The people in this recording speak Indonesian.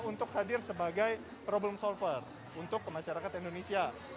untuk hadir sebagai problem solver untuk masyarakat indonesia